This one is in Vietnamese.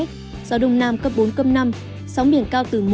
gió đông nam cấp bốn năm sóng biển cao từ một hai m